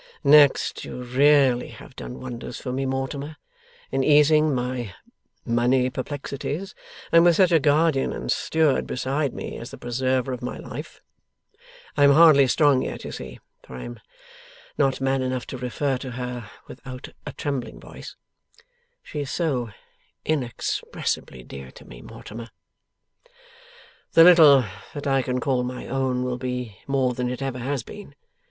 Next, you really have done wonders for me, Mortimer, in easing my money perplexities, and with such a guardian and steward beside me, as the preserver of my life (I am hardly strong yet, you see, for I am not man enough to refer to her without a trembling voice she is so inexpressibly dear to me, Mortimer!), the little that I can call my own will be more than it ever has been.